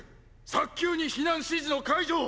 早急に避難指示の解除を！